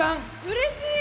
うれしい！